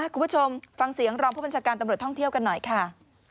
คุณผู้ชมฟังเสียงรองผู้บัญชาการตำรวจท่องเที่ยวกันหน่อยค่ะ